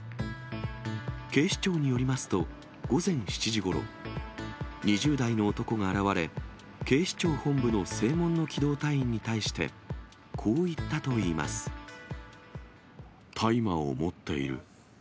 警視庁によりますと、午前７時ごろ、２０代の男が現れ、警視庁本部の正門の機動隊員に対して、大麻を持っている。